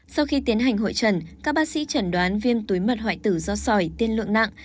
sau khi tiến hành hội trần các bác sĩ chẩn đoán viêm túi mật hoại tử do sỏi tiên lượng nặng